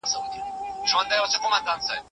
څنګه ټولنه د ماشومانو ملاتړ کوي؟